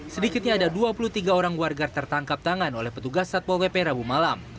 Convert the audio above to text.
sedikitnya ada dua puluh tiga orang warga tertangkap tangan oleh petugas satpol pp rabu malam